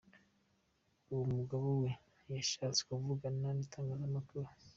Uwo mugabo we ntiyashatse kuvugana n’itangazmakuru.